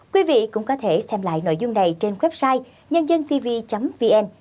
quý vị cũng có thể xem lại nội dung này trên website nhân dân tv vn